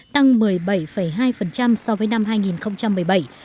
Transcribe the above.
tăng một mươi bảy hai so với năm hai nghìn một mươi bảy